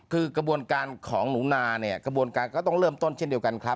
คือกระบวนการของหนูนาเนี่ยกระบวนการก็ต้องเริ่มต้นเช่นเดียวกันครับ